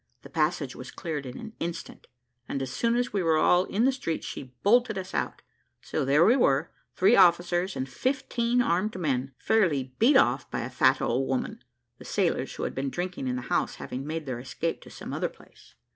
The passage was cleared in an instant, and as soon as we were all in the street she bolted us out; so there we were, three officers and fifteen armed men, fairly beat off by a fat old woman; the sailors who had been drinking in the house having made their escape to some other place.